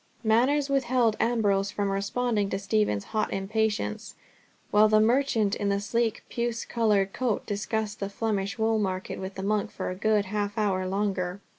Manners withheld Ambrose from responding to Stephen's hot impatience, while the merchant in the sleek puce coloured coat discussed the Flemish wool market with the monk for a good half hour longer.